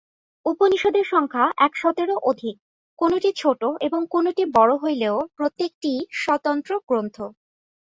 উপনিষদের সংখ্যা একশতেরও অধিক, কোনটি ছোট এবং কোনটি বড় হইলেও প্রত্যেকটিই স্বতন্ত্র গ্রন্থ।